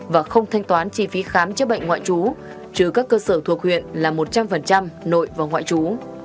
và không thanh toán chi phí khám chữa bệnh ngoại trú chứ các cơ sở thuộc huyện là một trăm linh nội và ngoại trú